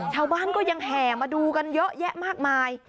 ชาวบ้านก็ยังแห่มาดูกันเยอะแยะมากมาย